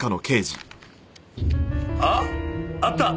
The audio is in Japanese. ああった。